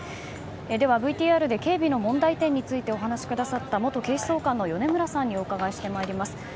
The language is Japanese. では、ＶＴＲで警備の問題点についてお話しくださった元警視総監の米村さんにお伺いしてまいります。